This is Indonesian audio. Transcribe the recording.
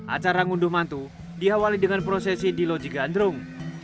acara ngunduh mantu diawali dengan prosesi di loji gandrung